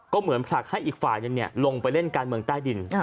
ก็เหมือนผลักให้อีกฝ่ายหนึ่งลงไปเล่นการเมืองใต้ดิน